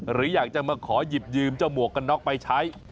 หรืออยากจะมาขอหยิบยืมเจ้าหมวกกันน็อกไปใช้